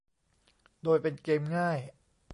โดยเป็นเกมง่าย